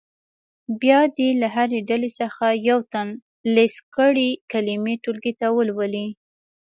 بیا دې له هرې ډلې څخه یو تن لیست کړې کلمې ټولګي ته ولولي.